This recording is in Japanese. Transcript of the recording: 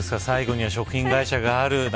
最後には食品会社がある。